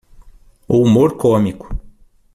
O humor cômico.